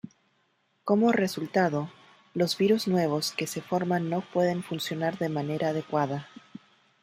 Como resultado, los virus nuevos que se forman no pueden funcionar de manera adecuada.